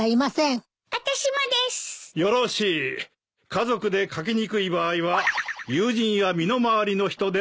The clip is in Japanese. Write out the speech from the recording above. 家族で書きにくい場合は友人や身の回りの人でもいい。